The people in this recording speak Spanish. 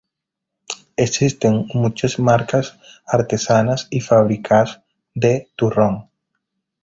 Existen muchas marcas artesanas y fábricas de turrón.